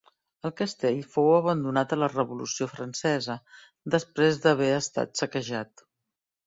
El castell fou abandonat a la Revolució Francesa, després d'haver estat saquejat.